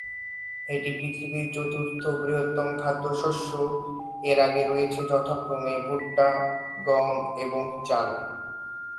এটি পৃথিবীর চতুর্থ বৃহত্তম খাদ্যশস্য, এর আগে রয়েছে যথাক্রমে ভুট্টা, গম এবং চাল।